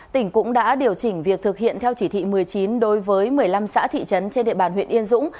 tỉnh cũng đã điều chỉnh việc thực hiện theo chỉ thị một mươi chín đối với một mươi năm xã thị trấn trên địa bàn huyện yên dũng